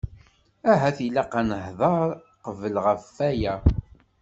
Ahat ilaq-aɣ ad nehder qbel ɣef aya.